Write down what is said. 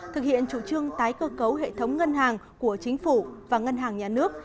thực hiện chủ trương tái cơ cấu hệ thống ngân hàng của chính phủ và ngân hàng nhà nước